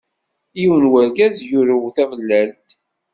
yiwen n urgaz yuru tamellalt!